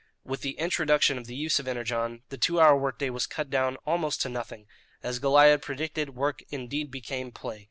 With the introduction of the use of Energon the two hour work day was cut down almost to nothing. As Goliah had predicted, work indeed became play.